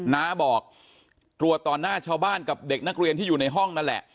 น้าบอกตรวจต่อหน้าชาวบ้านกับเด็กนักเรียนที่อยู่ในห้องนั่นแหละ